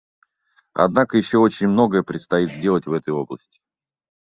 Однако еще очень многое предстоит сделать в этой области.